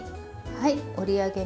はい。